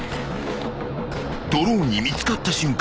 ［ドローンに見つかった瞬間